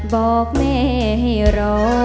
บอกแม่ให้รอ